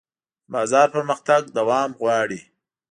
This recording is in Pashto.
د بازار پرمختګ دوام غواړي.